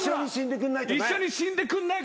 一緒に死んでくんないとね。